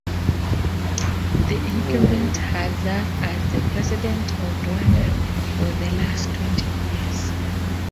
The incumbent has served as the president of Rwanda for the last twenty years.